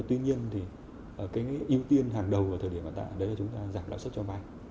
tuy nhiên cái ưu tiên hàng đầu ở thời điểm này là chúng ta giảm lãi suất cho vay